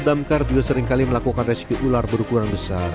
damkar juga seringkali melakukan rescue ular berukuran besar